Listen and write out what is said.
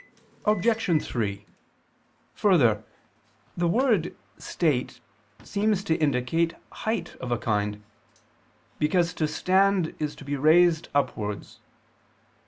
Obj. 3: Further, the word "state" seems to indicate height of a kind; because to stand is to be raised upwards.